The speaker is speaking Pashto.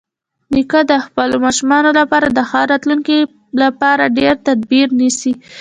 نیکه د خپلو ماشومانو لپاره د ښه راتلونکي لپاره ډېری تدابیر نیسي.